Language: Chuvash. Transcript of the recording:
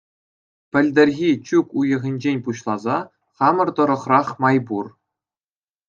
Пӗлтӗрхи чӳк уйӑхӗнчен пуҫласа хамӑр тӑрӑхрах май пур.